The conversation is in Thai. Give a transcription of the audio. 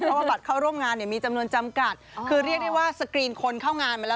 เพราะว่าบัตรเข้าร่วมงานเนี่ยมีจำนวนจำกัดคือเรียกได้ว่าสกรีนคนเข้างานมาแล้ว